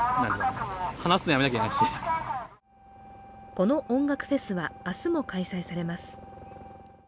この音楽フェスは明日も開催されます。